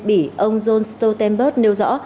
bị ông jens stoltenberg nêu rõ